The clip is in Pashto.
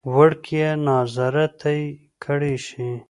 وړکیه ناظره ته یې کړی شې.